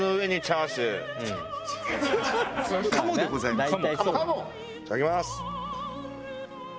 いただきます。